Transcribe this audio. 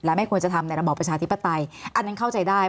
และไม่ควรจะทำในระบอบประชาธิปไตยอันนั้นเข้าใจได้